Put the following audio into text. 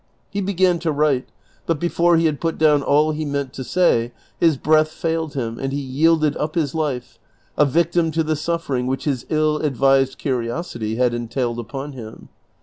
He begfan to write, but before he had put down all he meant to say, his breath failed him, and he yielded up his life, a victim to the suffering which his ill ad vised curiosity had entailed upon him.